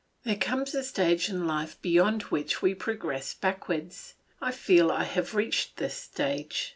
There comes a stage in life beyond which we progress backwards. I feel I have reached this stage.